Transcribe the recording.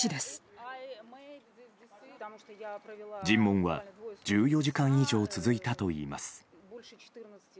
尋問は１４時間以上続いたといいます。